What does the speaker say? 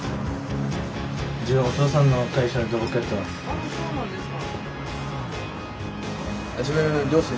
あっそうなんですか。